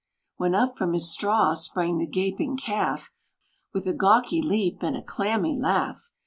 When up from his straw sprang the gaping Calf, With a gawky leap and a clammy laugh.